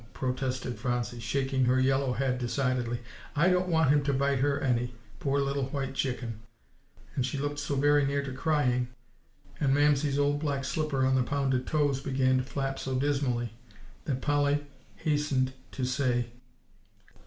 protested Phronsie, shaking her yellow head decidedly; "I don't want him to bite her any, poor little white chicken;" and she looked so very near to crying, and Mamsie's old black slipper on the pounded toes began to flap so dismally, that Polly hastened to say, "Oh!